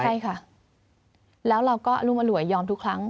ใช่ค่ะแล้วเราก็อรุมอร่วยยอมทุกครั้ง